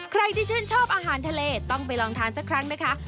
ใครที่ชื่นชอบอาหารทะเลต้องไปลองทานสักครั้งนะคะ